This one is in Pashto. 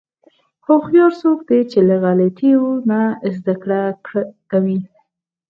هوښیار څوک دی چې له غلطیو نه زدهکړه کوي.